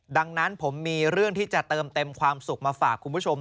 ดังนั้นผมมีเรื่องที่จะเติมเต็มความสุขมาฝากคุณผู้ชม